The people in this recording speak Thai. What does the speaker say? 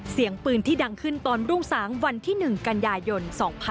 เสียงปืนที่ดังขึ้นตอนรุ่งสางวันที่๑กันยายน๒๕๖๒